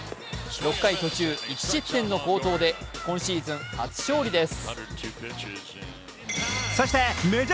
６回途中１失点の好投で今シーズン初勝利です。